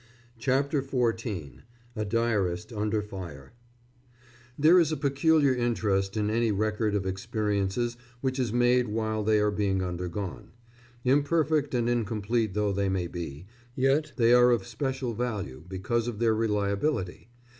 CHAPTER XIV A DIARIST UNDER FIRE [There is a peculiar interest in any record of experiences which is made while they are being undergone. Imperfect and incomplete though they may be, yet they are of special value because of their reliability.